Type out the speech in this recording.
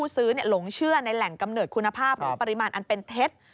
ซื้อหลงเชื่อในแหล่งกำเนิดคุณภาพหรือปริมาณอันเป็นเท็จ